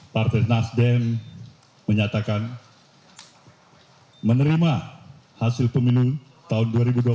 partai nasdem menyatakan menerima hasil pemilu tahun dua ribu dua puluh